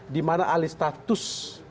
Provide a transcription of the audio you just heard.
di mana alih status